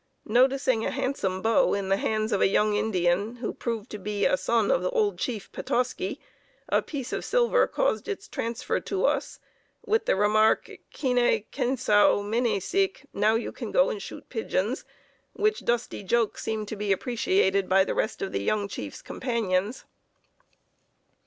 Noticing a handsome bow in the hands of a young Indian, who proved to a son of the old chief, Petoskey, a piece of silver caused its transfer to us, with the remark, "Keene, kensau, mene sic" (now you can go and shoot pigeons), which dusky joke seemed to be appreciated by the rest of the young chief's companions.